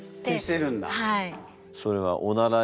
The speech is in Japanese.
はい。